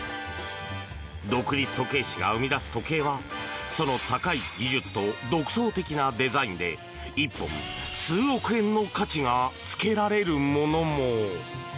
独立時計師が生み出す時計はその高い技術と独創的なデザインで１本、数億円の価値がつけられるものも。